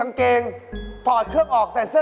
แล้วว่าวที่ไหนนี่